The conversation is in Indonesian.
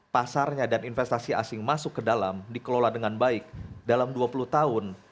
pasarnya dan investasi asing masuk ke dalam dikelola dengan baik dalam dua puluh tahun